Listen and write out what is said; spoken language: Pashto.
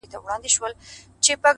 په دې پوهېږمه چي ستا د وجود سا به سم؛